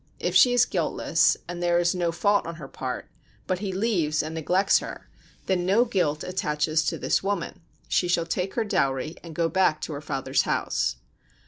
If she is guiltless, and there is no fault on her part, but he leaves and neglects her, then no guilt attaches to this woman, she shall take her dowry and go back to her father's house.